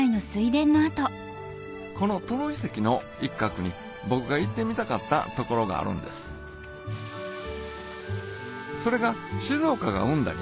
この登呂遺跡の一角に僕が行ってみたかった所があるんですそれが静岡が生んだ